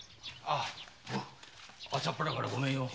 朝っぱらからごめんよ。